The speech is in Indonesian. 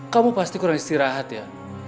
kamu pasti kurang istirahat ya